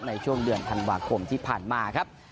ในช่วงเดือนธันวาคมที่ผ่านมาครับ